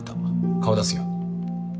顔出すよ。